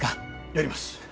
やります。